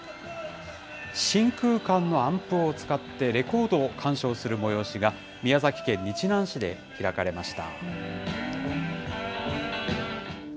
真空管のアンプを使って、レコードを鑑賞する催しが宮崎県日南市で開かれました。